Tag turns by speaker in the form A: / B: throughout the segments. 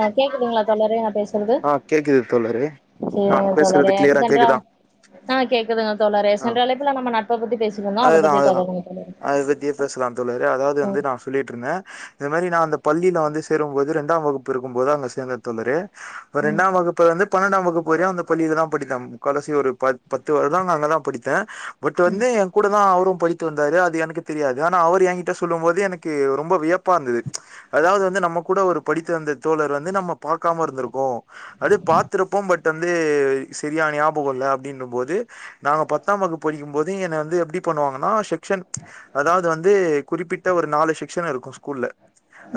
A: ஆ கேக்குதுங்ளா தோழரே நா பேசறது
B: ஆ கேக்குது தோழரே நா
A: செரிங்க
B: பேசுறது
A: தோழரே
B: கிளியரா
A: சென்ற
B: கேக்குதா
A: ஆ கேக்குதுங்க தோ
B: ஆ
A: சென்ற அழைப்புல நம்ம நட்ப பத்தி பேசி
B: அதுதா அதுதா அத பத்தியே பேசலா தோழரே அதாவது வந்து
A: ம்
B: நா சொல்லிட்ருந்த இ து மாரி நா அந்த பள்ளில வந்து சேரும்போது ரெண்டாம் வகுப்பு இருக்கும் போது அங்க சேந்த தோழரே
A: ம்
B: ரெண்டாம் வகுப்புல இருந்து பன்னெண்டாம் வகு ப்பு வரையு அந்த பள்ளியிலதா படித்த முக்கால் வாசி ஒரு பத் பத்து வருட நா அங்கதா படித்தே பட்
A: ம்
B: வந்து தா அவரு படித்து வந்தாரு அது எனக்கு தெரியாது ஆனா அவரு எங்கிட்ட சொல்லும் போது எனக்கு ரொம்ப வியப்பா இருந்துது அதாது வந்து நம்ம கூட ஒரு படித்து வந்த தோழர் வந்து நம்ம பாக்காம இருந்திருக்கோ அது பாத்துருப்போ பட் வந்து சரியா ஞாபக இல்ல அப்படின்னும் போது நாங்க பத்தாம் வகுப்பு படிக்கும்போது என்ன வந்து எப்டி பண்ணுவாங்கன்னா செக்ஷன் அதாது வந்து குறிப்பிட்ட ஒரு நாலு செக்ஷன் இருக்கு ஸ்கூல்ல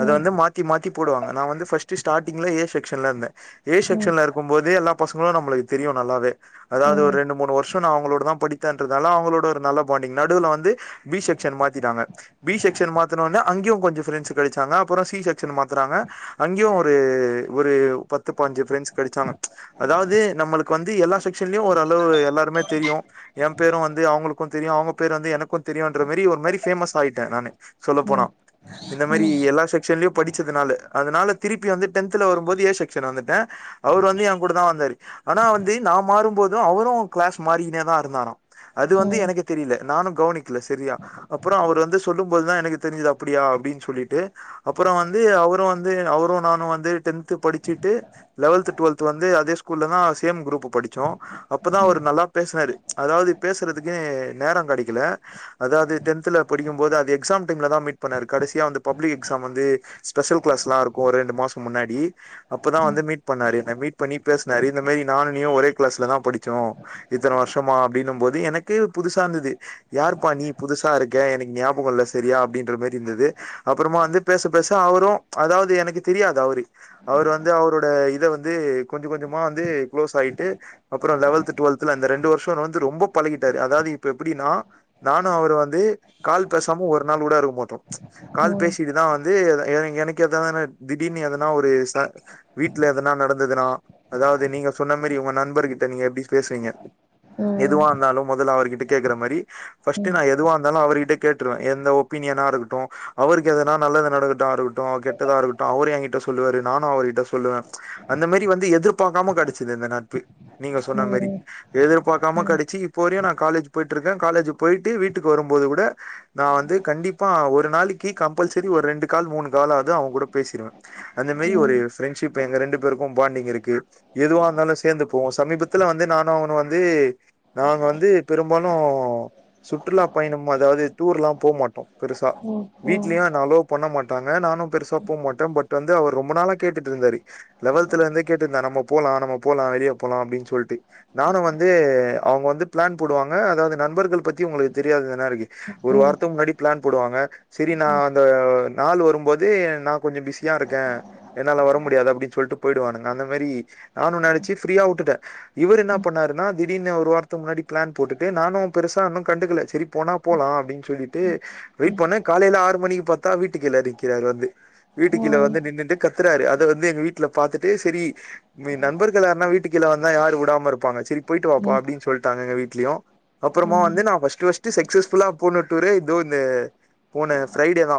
B: அது
A: ம்
B: வந்து மாத்தி மாத்தி போடுவங்க நா வந்து ஃபர்ஸ்ட் ஸ்டார்ட்டிங்ல ஏ செக்ஷன்ல இருந்த ஏ
A: ம் ம் ம் ம் ம் ம் ம் ம் ம்
B: செக்ஸன்ல இருக்கு போது எல்லா பசங்களு நம்மளய தெரியு நல்லாவே
A: ம் ம் ம் ம் ம் ம் ம் ம்
B: அதாவது ஒரு ரெண்டு மூணு வருஷோ நா அவங்களோடதா படித்தோன்றதால அவங்களோட ஒரு நல்ல பாண்டிங் நடுவுல வந்து பி செக்ஷன் மாத்திட்டாங்க பி செக்ஷன் மாத்தினோடனே அங்கியு கொஞ்சோ ஃப்ரெண்ட்ஸ் கெடைச்சாங்க அப்றோ சி செக்ஷன் மாத்துனாங்க அங்கியு ஒரு ஒரு பத்து பாஞ்சி ஃபிரெண்ட்ஸ் கெடைச்சாங்க அதாவது நம்மளுக்கு வந்து எல்லா செக்ஷன்லியு ஓரளவு எல்லாருமே தெரியு எம் பேரு வந்து அவுங்களுக்கு தெரியு அவுங்க பேர் வந்து எனக்கு தெரியுன்ற மாரி ஒரு மாரி ஃபேமஸ் ஆயிட்ட நானு சொல்ல போனா இந்த மாரி எல்லா செக்ஷன்லயு படிச்சதுனால அதனால திருப்பி வந்து டென்த்துல வரும்போது ஏ செக்ஷன் வந்துட்டே அவர் வந்து எங் கூடதா வந்தாரு ஆனா வந்து நா மாறும்போது அவரு கிளாஸ் மாறிகினேதா இருந்தாரா அது
A: ம் ம் ம்
B: வந்து
A: ம் ம் ம் ம் ம் ம் ம்
B: எனக்கு ரில நானு கவனிக்கில செரியா அப்பற அவரு வந்து சொல்லும் போதுதா எனக்கு தெரிஞ்சுது அப்டியா அப்டின்னு சொல்லிட்டு அப்பற வந்து அவரு வந்து அவரு நானு வந்து டென்த்து படிச்சுட்டு லெவல்த்து டுவெல்த்து வந்து அதே ஸ்கூல்லதா சேம் குரூப்பு படிச்சோ அப்பதா அவரு நல்லா பேசினாரு அதாவது பேசுறதுக்கு நேரங் கெடைக்கல அதாது டென்த்துல படிக்கும்போது அது எக்ஸாம் டைம்லதா மீட் பண்ணாரு கடைசியா வந்து பப்ளிக் எக்ஸாம் வந்து ஸ்பெசல் க்ளாஸ்லா இருக்கு ஒரு ரெண்டு மாச முன்னாடி அப்பதா வந்து மீட் பண்ணாரு என்ன மீட் பண்ணி பேசுனாரு இந்த மாரி நானு நீயு ஒரே கிளாஸ்லதா படிச்சோ இத்தன வருஷமா அப்டின்னும் போது எனக்கே புதுசாருந்துது யாருப்பா நீ புதுசாருக்க எனக்கு ஞாபக இல்ல செரியா அப்படின்ற மேரி இருந்துது அப்பறமா வந்து பேச பேச அவரு அதாவுது எனக்கு தெரியாது அவரு அவர் வந்து அவரோட இத வந்து கொஞ்ச கொஞ்சமா வந்து க்ளோஸாயிட்டு அப்றோ லெவல்த்து டுவெல்த்துல அந்த ரண்டு வருஷ வந்து ரொம்ப பழகிட்டாரு அதாது இப்ப எப்பிடினா நானு அவரு வந்து கால் பேசாம ஒரு நாள் கூட இருக்க மாட்டோ கால் பேசிட்டுதா வந் இது என எனக்கு எதாவதுனா திடீர்னு எதனா ஒரு ச வீட்ல எதனா நடந்ததுனா அதாவது நீங்க சொன்ன மாரி உங்க நண்பர்கிட்ட நீங்க எப்டி பேசுவீங்க எதுவா இருந்தாலும் அவரு கிட்ட கேக்கற மாரி பஸ்ட்டு நா எதுவாந்தாலு அவருகிட்ட கேட்டுருவ எந்த ஒப்பீனியனா இருக்குட்டு அவருக்கு எதனா நல்லது நடக்கட்டாருகுட்டு கெட்டதாருக்குட்டு அவுரு என்கிட்ட சொல்லுவாரு நானு அவுருகிட்ட சொல்லுவ அந்த மேரி வந்து எதிர்பாக்காம கெடச்சது இந்த நட்பு நீங்க சொன்ன மேரி எதிர்பாக்காம கெடச்சி ப்பயு நா காலேஜ் போய்ட்ருக்கே காலேஜ் போய்ட்டு வீட்டுக்கு வரும்போது கூட நா வந்து கண்டிப்பா ஒரு நாளிக்கி கம்பல்சரி ஒரு ரெண்டு கால் மூணு காலாவது அவுங் கூட பேசிருவ அந்த மேரி ஒரு ஃப்ரெண்ட்ஷிப் ப்ப எங்க ரெண்டு பேருக்கு பாண்டிங் இருக்கு எதுவா இந்தாலு சேந்து போவோ சமீபத்துல வந்து நானு அவுனு வந்து நாங்க வந்து பெரும்பாலு சுற்றுலா பயணம் அதாவது டூர்லா போ மாட்டோ பெருசா வீட்லியு என்ன அலோ பண்ண மாட்டாங்க நானு பெருசா போ மாட்ட பட் வந்து அவர் ரொம்ப நாளா கேட்டுட்ருந்தாரு லெவல்துலந்து கேட்டுருந்த நம்ம போலா நம்ம போலா வெளியே போலா அப்டின் சொல்ட்டு நானு வந்து அவுங்க வந்து பிளான் போடுவாங்க அதாவ்து நண்பர்கள் பத்தி உங்குளுக்கு தெரியாது [unintelligible] ஒரு
A: ம்
B: வாரத்து முன்னாடி பிளான் போடுவாங்க செரி நா அந்த அ நாள் வரும் போது நா கொஞ்சோ பிஸியாருக்க என்னால வர முடியாது அப்டின் சொல்ட்டு போய்டுவானுங்க அந்த மேரி நானு நெனச்சி ஃப்ரீயா உட்டுட்ட இவரென்னா பண்ணாருன்னா திடீ னு ஒரு வாரத்து முன்னாடி பிளான் போட்டுட்டு நானு பெருசான்னு கண்டுக்கல செரி போனா போலா அப்டின் சொல்லிட்டு வெய்ட் பன்ன காலைல ஆறு மணிக்கு பாத்தா வீட்டுக்கீல நிக்கிறாரு வந்து வீட்டுக்கீல வந்து நின்னுட்டு கத் த்தறாரு அத வந்து எங்க வீட்ல பாத்துட்டு செரி நண்பர்கள் யார்னா வீட்டுக்கீல வந்தா யாரு உடாமருபாங்க செரி போய்ட் வா அப்டின் சொல்டாங்க எங்க வீட் லியு அப்புறமா வந்து நா பஸ்ட்டு பஸ் செக்சஸ்புலா போன டூரு இதோ இந்த போன ப்ரைடே தா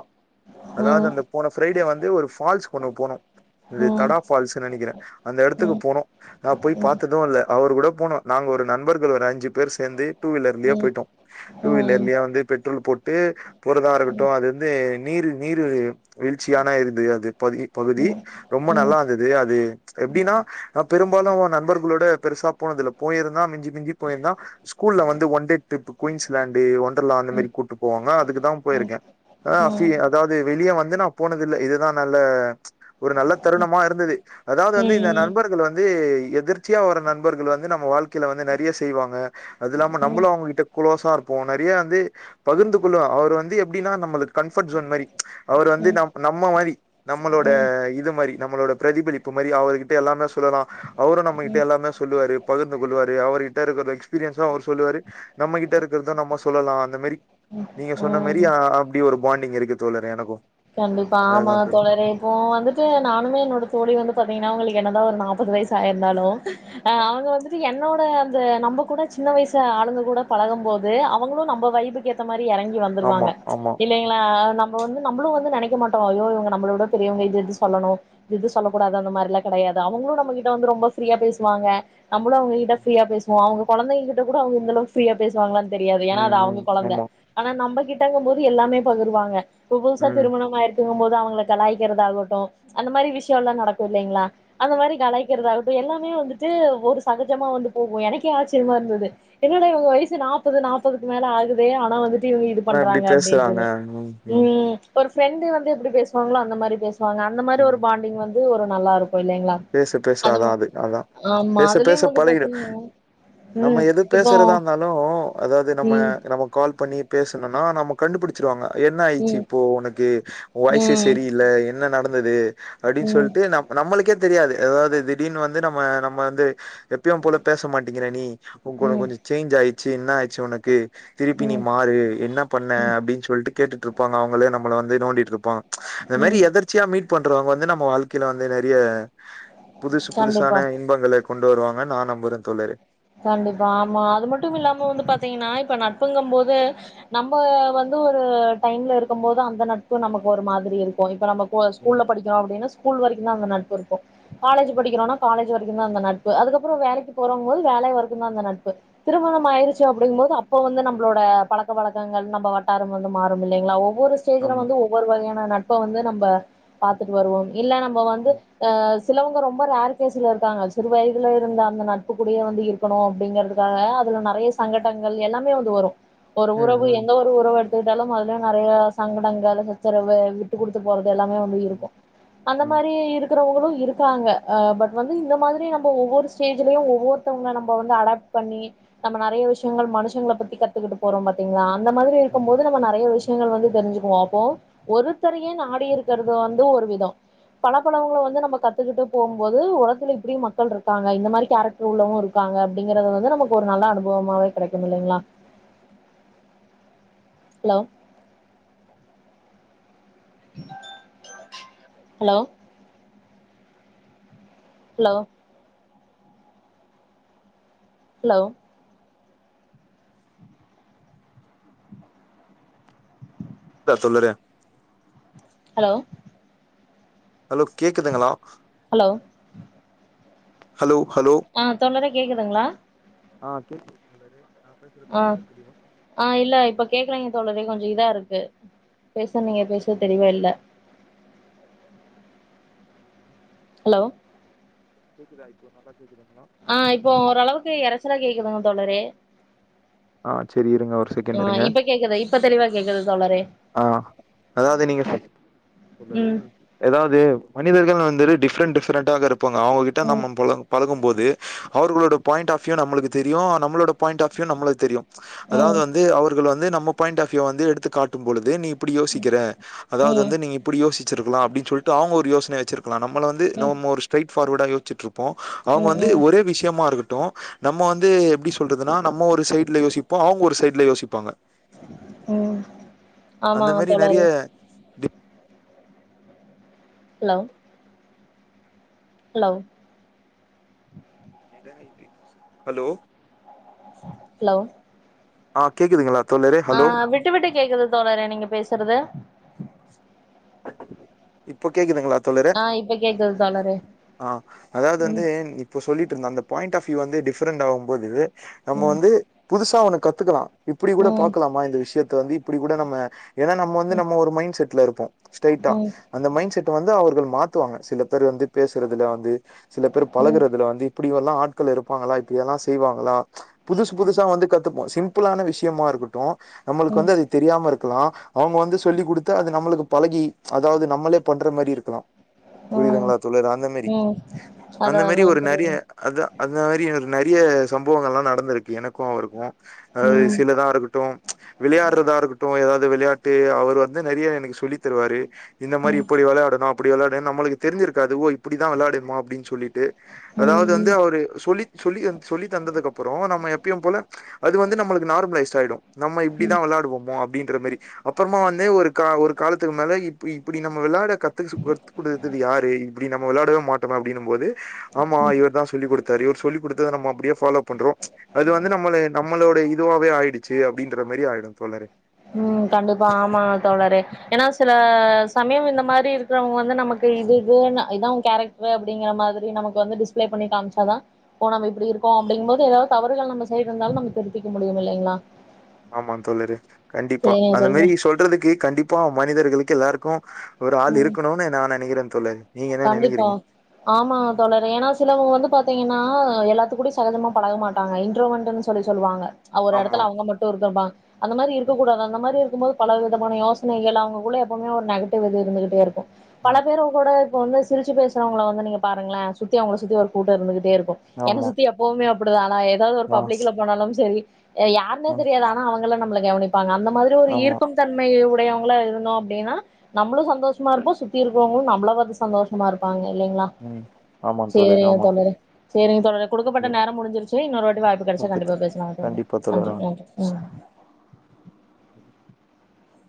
B: அதாது அந்த போன ஃப்ரைடே வந் து ஒரு ஃபால்ஸ் கொண்னு போனோ இது தடா ஃபால்ஸுன் நெனைக்கிறே அந்த எடத்துக்கு போனோ நா போய் பாத்ததோ இல்ல அவரு கூட போன நாங்க ஒரு நண்பர்கள் ஒரு அஞ்சு பேர் சேந்து டூ வீலர்லியே போய்ட்டோ டூ வீலர்ல்யே வந்து பெட் ட்றோல் போட்டு போறதாருகுட்டு அது வந்து நீர் நீரு வீழ்ச்சியான இருந்து அது பகு இ பகுதி ரொம்ப நல்லா இருந்தது அது ச்ச் எப்டீனா அ பெரும்பாலு நண்பர்களோட பெருசா போன தில்ல போயிருந்தா மிஞ்சி மிஞ்சி போயிருந்தா ஸ்கூல்ல வந்து one day trip Queensland Wonderla அந்த மாரி கூட்டு போவாங்ன அதுக்கு தா போயிருக்கே அ [unintelligible] அதாவ்து வெளியே வந்து நா போனதில்ல இதுதா நல்ல ச்ச் ஒரு நல்ல தருணமா இருந்தது அதாவது வந்து இந்த நண்பர்கள் வந்து து எதிர்ச்சியா வர நண்பர்கள் வந் து நம்ம வாழ்க்கைல வந்து நெறய செய்வாங்க அது இல்லாம நம்மளும் அவங்கிட்ட குளோசா இருப்போ நெறைய வந்து பகிர்ந்து கொள்ள அவரு வந்து எப்படின்னா நம்மளுக்கு கம்ஃபர்ட் ஜோன் மாரி அவரு வந்து நம் நம்ம மாரி நம்மளோட
A: ம்
B: இது மாரி நம்மளோட பிரதிபலிப்பு மாரி அவிங்கிட்ட எல்லாமே சொல்லலாம் அவரு நம்ம
A: ம் ம்
B: கிட்ட எல்லாமே சொல்லுவாரு பகிர்ந்து கொள்ளுவாரு அவருகிட்ட இருக்கிற எக்ஸ்பீரியன்ஸு அவரு சொல்லுவாரு நம்மகிட்ட இருக்கறதா நம்ம சொல்லலா அந்த மாரி
A: ம்
B: நீங்க சொன்ன மாரி
A: ம்
B: அ அப்டி ஒரு பாண்டிங் இருக்கு தோழரே எனக்கு
A: கண்டிப்பா ஆமா தோழரே இப்போ வந்துட்டு நானுமே என்னோட தோழி வந்து பாத்தீங்கன்னா அவங்க என்னதா ஒரு நாப்பது வயசு ஆயிருந்தாலு அ அவங்க வந்துட்டு என்ன ஒன் ப்ப அந்த நம்ம கூட சின்ன வயசு ஆளுங்க கூட பழகும் போது அவங்களும் நம்ம வைபுக்கு ஏத்த மாரி எறங்கி
B: ஆமா,
A: வந்துருவாங்க
B: ஆமா.
A: இல்லைங்களா நம் வந்து நம்ளும் வந் து நெனைக்க மாட்டோ ஐயோ இவங்க நம்மள விட பெரியவங்க இது இது சொல்லணும் இது இது சொல்லக்கூடாது அந்த மாரி எல்லா கெடையாது அவங்களு நம்ம கிட்ட வந்து ரொம்ப ஃப்ரீயா பேசுவாங்க நம்மளு அவங்க கிட்ட ஃப்ரீயா பேசுவோ அவங்க கொழந்தைங்க கிட்ட கூட அவங்க இந்த அளவுக்கு ஃப்ரீயா பேசுவாங்களான்னு தெரியாது ஏன்னா அது
B: ம் ம்
A: அவங்க கொழந்த
B: ஆமா
A: ஆனா நம்மகிட் டங்கும் போது எல்லாமே பகிருவாங்க ஒவ்வொ புதுசா
B: ம்
A: திருமணம் ஆயிருக்குங்ம் போது அவங்க ள கலாய்க்கிறதாகட்டு அந்த மாரி விஷயல்லா நடக்கு இல்லங்களா அந்த மாரி கலாய்க்கறது ஆகட்டு எல்லாமே வந்துட்டு ஒரு சகஜமா வந்து போகு எனக்கே ஆச்சரியமா இருந்துது என்னடா இவங்க வயசு நாப்பது நாப்பதுக்கு மேல ஆகுதே ஆனா வந்துட் டு இவுங்க இது
B: ஆனா இப்டி
A: பண்றாங்க
B: பேசுறாங்க
A: அப்படின்ட்னு
B: ம் ம்
A: உம் ஒரு ஃபிரெண்டு வந்து எப்டி பேசுவாங்களோ அந்த மாரி பேச வாங்க அந்த மாரி ஒரு
B: ம்
A: பாண்டிங் வந் து ஒரு நல்லா இருக்
B: பேச பேச அத அது அதா
A: ஆமா
B: பேச
A: அதுலயு
B: பேச
A: வந்து
B: பழகிடும்
A: பாத்தீங்கன்னா
B: நம்ம
A: ம்
B: எது
A: இப்போ
B: பேசுறதா இருந்தாலு அதாவது நம்ம
A: ம்
B: நம்ம கால் பண்ணி பேசணுனா நம் கண்டுபிடிச்சிருவாங்க என்ன ஆயிச்சு
A: ம்
B: இப்போ உனக்கு உ வாய்சே
A: ம்
B: சரியில்ல என்ன நட ந்தது அப்டின்னு
A: ம்
B: சொல்லிட்டு நம் நம்மளுக்கே தெரியாது அதாவது திடீர்னு வந்து நம்ம நம்ம வந்து எப்பயும் போல பேச மாட்டேங்கிற நீ உங் கூட
A: ம்
B: கொஞ்ச சேஞ்ச் ஆயி சி என்ன ஆச்சு உனக்கு திருப்பி நீ
A: ம்
B: மாறு என்ன பண்ண
A: ம்
B: அப்படின்னு சொல்ட்டு கேட்டுட்டு இருப்பாங்க அவங்களே நம்மளை வந்து நோண்டிட்டு இருப்பாங்க இந்த மாரி
A: ம்
B: எதர்ச்சியா மீட் பண்றவங்க வந்து நம்ம வாழ்க்கையில வந்து நறைய புதுசு புதுசான
A: கண்டிப்பா
B: இன்பங்கள கொண்டு வருவாங்க நா நம்பரே தோழி
A: கண்டிப்பா ஆமா அது மட்டும் இல்லாம வந்து பாத்தீங்கன்னா இப்ப நட்புங்க போது நம்ம வந்து ஒரு டைம்ல இருக்கும் போது அந்த நட்பும் நமக்கு ஒரு மாதிரி இருக்கும் இப்ப நம்ம ஒ
B: ம்
A: ஸ்கூல்ல படிக்றோ அப்டின்னா ஸ்கூல் வரைக்குந்தா அந்த நட்ப் [unintelligible] காலேஜ்
B: ம்
A: படிக்கிறோனா காலேஜ் வரைக்குந்தா அந்த நட்பு அதுக்கப்பறோ வேலைக்கு போறோம்போது வேலை வரக்குந்தா அந்த நட்பு திருமணம் ஆயிருச்சு அப்டிங்போது அப்ப வந்து நம்பளோட பழக்க வழக்கங்கள் நம்ப வட்டாரம் வந்து மாறுமில்லைங்லா ஒவ் வொரு ஸ்டேஜ்ல
B: ஆமா
A: வந்து ஒவ்வொரு வகையான நட் ப்ப வந்து நம்ப பாத்துட்டு வருவோ இல்ல நம்ம வந்து
B: ம்
A: அஹ் ஸ் சிலவங்க ரொம்ப ரேர் கேசுல இருக்காங்க சிறு வயதுல இருந்த அந்த நட்புக் கூடயே வந்து இருக்கணு அப்டிங்கிறதுக்காக அதுல நறையா சங்கடங்கள் எல்லாமே வந்து வரும் ஒரு
B: ம்
A: உறவு
B: ம்
A: எந்த ஒரு உறவு எடுத்தாலு அதுலயு நறையா சங்கடங்கள் சச்சரவு விட்டு குடுத்து போற எல்லாமே வந்து
B: ம்
A: இருக்கு அந்த
B: ம்
A: மாரி இருக்குறவுங்களு இருக்காங்க அ பட் வந்து இந்த மாரி நம்ப ஒவ்வொரு ஸ்டேஜ்லயு ஒவ்வொ ர்த்தவுங்கல நம்ப வந்து அடாப்ட் பண்ணி நம்ம நறைய விஷயங்கள் மனுஷங்ள பத்திக த்துக்கிட்டு போறோ பாத்தீங்களா அந்த மாதிரி இருக்கும்
B: ம்
A: போது நம்ம நறய விஷ் ஷ்யங்கள் வந்து தெரிஞ்சுக்குவோ அப்போ ஒருத்தரையே நாடி இருக்கறது வந்து ஒரு விதோ. பலப்பலவங்கள வந்து நம்ம கத்துக்கிட்டு போம்போது உலகத்துல் இப்டியு மக்கள் இருக்காங்க இந்த மாரி கேரக் ட்ருள்ளவு இருக்காங்க அப்டிங்கிறது வந்து நமக்கு ஒரு நல்ல அனுபவமாவே கெடைக்குமில்லைங்களா ஹலோ ஹலோ ஹலோ ஹலோ
B: ந்தா சொல்லுறேன்
A: ஹலோ
B: ஹலோ கேக்குதுங்களா
A: ஹலோ
B: ஹலோ
A: ஆஹ் தோழரே கேக்குதுங்ளா
B: ஆஹ் கேக்குது தோழரே நா பேசுறது
A: ஆஹ்
B: கேக்குதா தெளிவா
A: ஆஹ் இல்ல இப்ப கேக்கலைங்க தோழரே கொஞ்ச இதா இருக்கு பேச நீங்க பேச தெளிவா இல்ல ஹலோ
B: கேக்குதா இப்போ நல்லாக்
A: ஆஹ் இப்போ ஓரளவுக்கு எறச்சலா கேக்குதுங்க தோழரே
B: ஆ செரி இருங்க ஒரு
A: ஆ
B: செகெண்டிருங்க
A: இப்ப கேக்குது இப்ப தெளிவா கேக்குது தோழரே
B: ஆஹ் அதாவது நீங்க
A: ம்
B: தோழரே
A: ம்
B: எதாவது மனிதர்கள் வந்துரு டிஃப்ரன்டிஃப் ஃபரடாக்குறப் பாங்க அவுங்ககிட்ட
A: ம்
B: நம்மம் பழகு பழகும் போது து அவர்களோட பாயிண்ட் ஆஃப் வியூ நம்மளுக்கு தெரியு நம்மளோட பாயிண்ட் ஆஃப் வியூ நம்மளுக் தெரியும் அதாவது
A: ம்
B: வந்து அவர்கள் வந் து நம்ம பாயிண்ட் ஆப் வியூ வந்து எடுத்து காட்டும்பொழுது நீ அப்பிடி யோசிக்கிற அதாவது
A: ம்
B: வந்து
A: ம்
B: நீங்க இப்பிடி யோசிக் வச்சிருக்கலா அப்படின் சொல்ட்டு அவுங்க ஒரு யோசனய வச்சிரு கலா நம்மள வந்து நம்ம ஒரு ஸ்ட்ரைட் ஃபார்வேடா யோசிச்சிட்ருப் போ அவுங்க வந்து
A: ம்
B: ஒரே விஷயமா இருக்கட் டு நம்ம வந்து எப்டி சொல்றதுன்னா நம்ம ஒரு சைடு யோசிப்போ அவுங்க ஒரு சைடுல யோசிப்பாங்க
A: ம் ஆமா
B: அந்த மாரி நெறைய
A: தோழரே
B: டி
A: ஹலோ ஹலோ
B: [unintelligible] ஹலோ
A: ஹலோ
B: ஆ கேக்குதுங்களா தோழரே?
A: ஆ
B: ஹலோ.
A: விட்டு விட்டு கேக்குது தோழரே நீங்க பேசுறது
B: இப்ப கேக்குதுங்களா தோழரே
A: ஆ இப்ப கேக்குது தோழரே
B: ஆ அதாவது
A: ம்
B: வந்து இப்போ சொல்லிட்டு இருந்த அந்த பாயிண்ட் ஆஃப் இது வந்து டிஃபரென்ட் ஆவும்போது நம்ம
A: ம்
B: வந்து புது சா ஒன்னு கத்துக்கலா இப்டி கூட
A: ம் ம்
B: பாக்கலாமா இந்த விஷயத்த வந்து இப்டி கூட நம்ம ஏனா நம்ம வந்து நம்ம ஒரு மைண்ட் செட்ல இருப் ஸ்ட்ரைட்டா
A: ம்
B: அந்த மைண்ட் செட் வந்து அவர்கள் மாத்துவாங்க சில பேர் வந்து பேசுறதுல வந்து சில பேர்
A: ம்
B: பழகுறதுல வந்து இப்ப இப்படி எல்லா ஆட்கள் இருப்பாங்களா இப்டி எல்லா செய்வாங்களா புதுச புதுசா வந்து கத்துப்போ சிம் பிளான விஷயமா இருக்கட்டு நம்மளுக்கு வந்து அது தெரியாம இருக் கலா அவங்க வந்து சொல்லி் குடுத்து அது நம்மளுக் பழகி அதாவது நம்மளே பண்ற மாரி இருக்கலா
A: ம்
B: புரிதங்களா தோழர் அந்த மாரி
A: ம்
B: அந்த
A: அதா
B: மாரி
A: அதா
B: ஒரு நறைய
A: புரியுது
B: அத்த அந்த மாரி நெறைய சம்பவங்கள்லா நடந்திருக்கு எனக்கூ அவருக்கூ அதாது
A: ம்
B: சிலதா இருக்கட்டூ விளையாட்றதாருக்கட்டூ ஏதா து விளையாட்டு அவர் வந்து நெறைய எனக்கு சொல்லி திர்வாரு இந்த மாரி
A: ம்
B: இப்டி விளையாடணூ இப்டி வெளாடு நம்ளுக்கு தெரிஞ்ருக்காது ஓ இப்டிதா வெளாடுணூமானு அப்டின் ஸ் சொல்லிட்டு
A: ம்
B: அதாவ்து வந்து
A: ம்
B: அவரு சொல்லி சொல்லி சொல்லி தந்ததுக்கப்றோ நம்ம எப்பயூ போல அது வந்து நமக்கு நார்மலைஸ்டாயிடூ நம்ம
A: ம்
B: இப்டிதா வெளையாடுவோமோ அப்டின் க்ற மாரி அப்றமா வந்து ஒரு கா ஒரு காலத் துக்கு மேல இப் இப்டி நம்ம வெளையாட கத்துக்கஸ் [unintelligible] யாரு இப்டி நம்ம வெளையாடவே மாட்டோமே அப்டின்னும்போது ஆமா இவர் தா சொல்லி குடுத்தாரு இவர் சொல்லிக் குடுத் து நம்ம அப்டியே ஃபாலோ பண்றோ அது வந்து நம்மளே நம்மளோட இதுவாவே ஆயிடுச்சு அப்டின்ற மாரி ஆயிடூ தோழரே
A: ம் கண்டிப்பா ஆமா தோழரே ஏனா சில சமய இந்த மாரி இருக்கிறவங்க வந்து நமக்கு இது இதுன் இதா கேரக்டரு அப்டிங்கிற மாரி நமக்கு வந்து டிஸ்ப்ளே பண்ணி காமிச்சாதா ஓ நம்ம இப்டிருக்கோ அப்டிங்கும் போது ஏதாவ்து தவறுகள் நம்ம சைடு இருந்தாலூ நம்ம திருத்திக்க முடியூ இல்லைங்களா
B: ஆமா தோழரே கண்டிப்பா
A: சரிங்க
B: அந்த மாரி
A: தோழரே
B: சொல்றதுக்கே கண்டிப்பா மனிதர்கள் கு எல்லாருக்கூ ஒரு ஆள்
A: ம்
B: இருக்கணூ நா நனைக்கிறே தோழே
A: கண்டிப்பா ஆமா தோழரே ஏனா சிலவங்க வந்து பாத் த்தீங்கன்னா எல்லாத்து கூடி சகஜமா பழக மாட்டாங்க இன்ட்ரோவெண்டுன்னு சொல்லி சொல்லுவாங்க அவரு
B: ஆமா
A: எடத்துல அவங்க மட்டூ இருத்துருப்பா அந்த மாரி இருக்கூடாது அந்த மாரிருக்கும் போது பல விதமான யோசனைகள் அவங்கக்குள்ள எப்பவ்மே ஒரு நெகட்டிவ் இது இருந்துட்டேருக்கூ பல
B: ம்
A: பேரூ கூட இப்போ வந்து சிரிச்சு பேசுறவங்ள வந்து நீங்க பாருங்ளே சுத்தி அவங்கள சுத்தி ஒரு கூட்டே இருந்துகிட்டேருக் கூ என்ன
B: ஆமா
A: சுத்தி எப்பவ்மே அப் அப்டிதானா எ ஏதாவது ஒரு
B: ஆ
A: பப்ளிக்ல போனாலும் சரி யாருனே
B: ஆ
A: தெரியாது ஆனா அவங்கள ந ம்ள கவனிப்பாங்க அந்த மாத்ரி ஒரு
B: ஆமா
A: ஈர்க்கும் தன்மை உ டையவங்ளா இருந்தோ அப்டின்னா நம்ளூ சந்தோஷமாருப்போ சுத்தி இருக்கவுங்ளூ நம்ள பாத் சந்தோஷமா இருப்பாங்க இல்லைங்ளா
B: ம் ஆமா தோழர்
A: சேரிங்க
B: ஆமா
A: தோழரே
B: தோழர்
A: செரிங்க தோழரே குடுக்கப்பட்ட
B: ஐயோ,
A: நேரோ முடிஞ்சிருச்சு இன்னொரு வாட்டி வாய்ப்பு கெடைச்சா
B: ஓகே தோ
A: கண்டிப்பா பேசலாங் தோழரே
B: கண்டிப்பா தோழர்
A: நன்றி
B: ஆ
A: நன்றி ம்